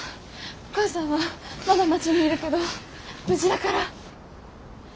お母さんはまだ町にいるけど無事だから。